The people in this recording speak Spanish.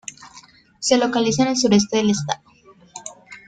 Se localiza en el sureste del estado.